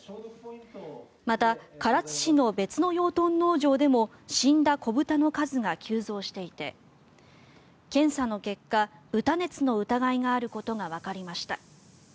また、唐津市の別の養豚農場でも死んだ子豚の数が急増していて検査の結果、豚熱の疑いがあることがわかりました。